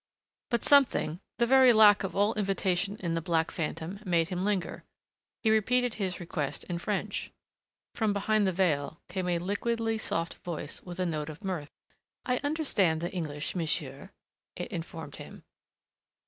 But something, the very lack of all invitation in the black phantom, made him linger. He repeated his request in French. From behind the veil came a liquidly soft voice with a note of mirth. "I understand the English, monsieur," it informed him.